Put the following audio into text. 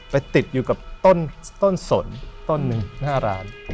ติดอยู่กับต้นสนต้นหนึ่งหน้าร้าน